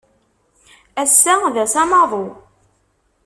Ass-a d ass amaḍu.